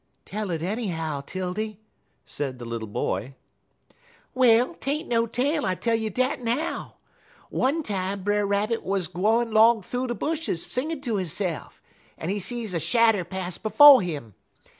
"Tell it, anyhow, 'Tildy," said the little boy. "Well, 't ain't no tale, I tell you dat now. One time Brer Rabbit wuz gwine 'long thoo de bushes singin' ter hisse'f, en he see a shadder pass befo' 'im.